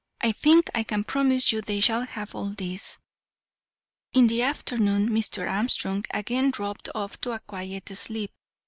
I think I can promise you they shall have all these." In the afternoon, Mr. Armstrong again dropped off to a quiet sleep.